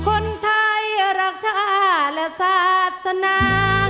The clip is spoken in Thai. คนไทยรักชาและศาสนาชาติองเจ้าภูทรงเพียงเหนือนาวุ่น